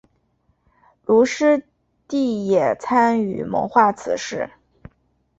卢师谛也参与谋划此事。